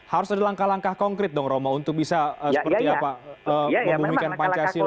harus ada langkah langkah konkret dong romo untuk bisa seperti apa membumikan pancasila